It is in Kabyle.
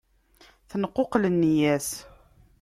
Tenquqel nneyya-s.